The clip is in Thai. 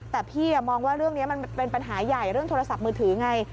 แต่พี่มองว่าเรื่องนี้มันเป็นปัญหาใหญ่เรื่องโทรศัพท์มือถือไง